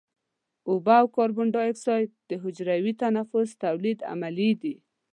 اوبه او کاربن دای اکساید د حجروي تنفس تولیدي عملیې دي.